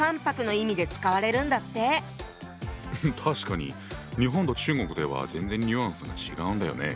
確かに日本と中国では全然ニュアンスが違うんだよね。